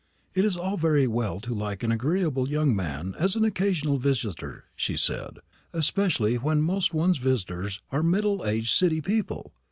"It's all very well to like an agreeable young man as an occasional visitor," she said, "especially when most of one's visitors are middle aged City people.